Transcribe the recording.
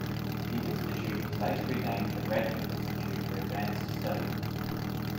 The Institute was later renamed the Radcliffe Institute for Advanced Study.